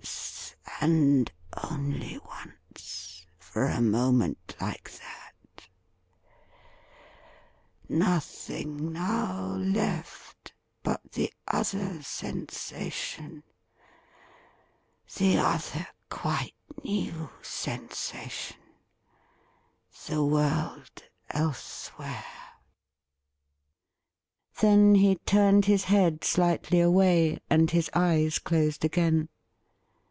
Once, and only once, for a moment like that ! Nothing now left but the other sensation — the other quite new sensation — the world elsewhere l' Then he turned his head slightly away, and his eyes closed again.